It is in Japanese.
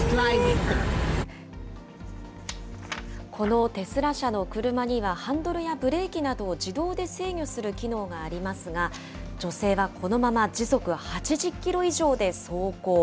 このテスラ社の車には、ハンドルやブレーキなどを自動で制御する機能がありますが、女性はこのまま時速８０キロ以上で走行。